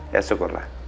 ya syukur lah